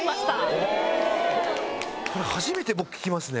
初めて僕聞きますね。